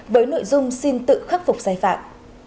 với nội dung xin tự khắc phục giải phạm